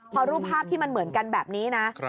พอรูปภาพที่มันเหมือนกันแบบนี้นะ